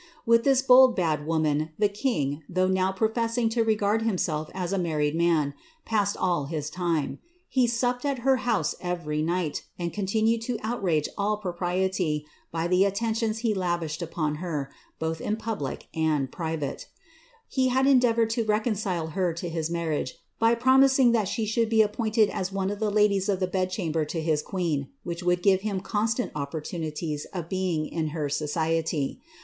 With this bold bad woman the king, thoogb now professing to regard himself as a married man, passed all his timSi He supped at her house every night, and continued to outrage all pio priety by the attentions he lavished upon Iter, both in public and privaw. lie had endeavoured to reconcile her to his marriage, by promising that she should be appointed as one of the ladies of the bed chamber to his queen, which would give him constant opportunities of being in her society.'